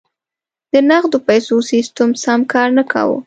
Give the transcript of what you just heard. د نغدو پیسو سیستم سم کار نه کاوه.